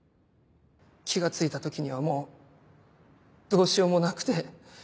気が付いた時にはもうどうしようもなくて。